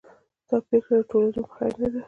دا پرېکړه د ټولنې په خیر نه ده.